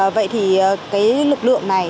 vậy thì cái lực lượng này